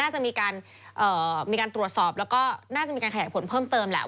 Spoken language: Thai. น่าจะมีการตรวจสอบแล้วก็น่าจะมีการขยายผลเพิ่มเติมแหละ